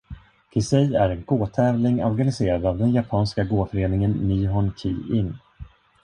Kisei är en Go-tävling organiserad av den japanska Go-föreningen Nihon Ki-in.